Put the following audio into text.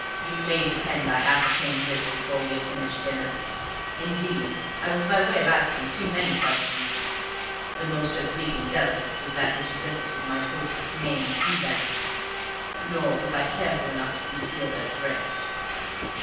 You may depend I ascertained this before we had finished dinner. Indeed I was by way of asking too many questions (the most oblique and delicate was that which elicited my host's name, Ewbank), nor was I careful enough to conceal their drift.